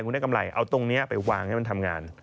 คุณได้กำไรเอาตรงนี้ไปวางให้มันทำงาน